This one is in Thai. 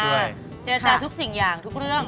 เจรจาทุกสิ่งอย่างทุกเรื่อง